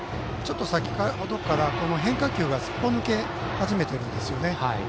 先程から変化球がすっぽ抜け始めてるんですよね。